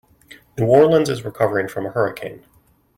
New Orleans is recovering from a hurricane.